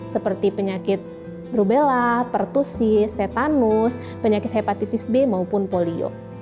seperti penyakit rubella pertusis tetanus penyakit hepatitis b maupun polio